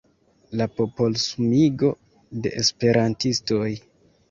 La popolsumigo de esperantistoj.